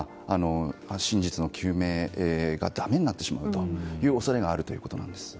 真実の究明がだめになってしまうという恐れがあるということです。